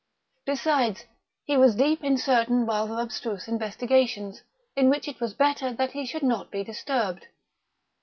Besides, he was deep in certain rather abstruse investigations, in which it was better that he should not be disturbed.